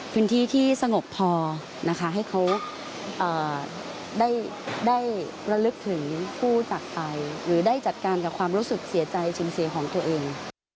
พื้นที่ที่สงบพอนะคะให้เขาได้ระลึกถึงผู้จักรไปหรือได้จัดการกับความรู้สึกเสียใจสูญเสียของตัวเอง